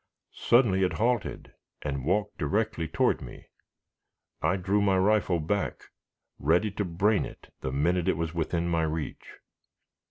Suddenly it halted and walked directly toward me. I drew my rifle back, ready to brain it the minute it was within my reach.